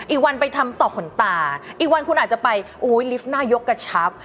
อีกวันไปทำต่อขนตาอีกวันคุณอาจจะไปอุ้ยลิฟต์หน้ายกกระชับ